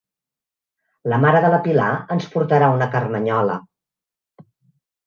La mare de la Pilar ens portarà una carmanyola.